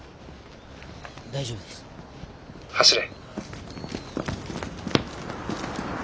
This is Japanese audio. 大丈夫です。走れ。